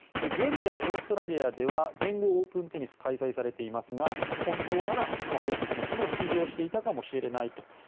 現在、オーストラリアでは全豪オープンテニスが開催されていますが本当ならホウ・スイ選手も出場していたかもしれないと。